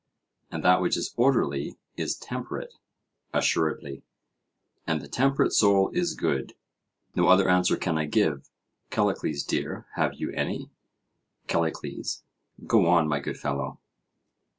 And that which is orderly is temperate? Assuredly. And the temperate soul is good? No other answer can I give, Callicles dear; have you any? CALLICLES: Go on, my good fellow.